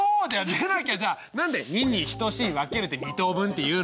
でなきゃじゃあ何で「２」に「等しい」「分ける」で２等分っていうんだよ。